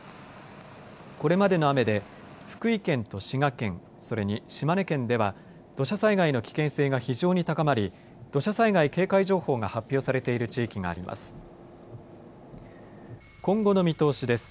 これまでの雨で福井県と滋賀県、それに島根県では土砂災害の危険性が非常に高まり土砂災害警戒情報が発表されている地域があります。